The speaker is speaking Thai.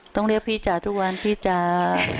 ต้องเรียกพี่จ๋าทุกวันพี่จ๋า